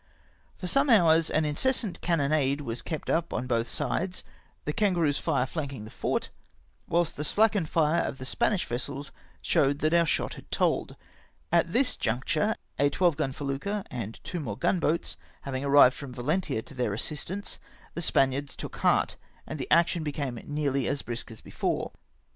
For some hours an incessant cannonade was kept up on both sides, the Kangaroo's lire flanldng the fort, whilst the slackened lire of the Spanish vessels showed that our shot had told. At this juncture, a twelve gun felucca, and two more gun boats having arrived from Valentia to theu" assistance, the Spaniards took heart, and the action became nearly as brisk as before.